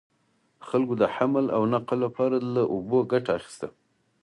خلکو د حمل او نقل لپاره له اوبو ګټه اخیسته.